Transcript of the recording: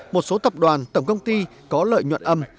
một số tập đoàn tổng công ty có lợi nhuận âm